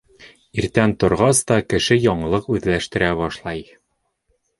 Иртән торғас та кеше яңылыҡ үҙләштерә башлай.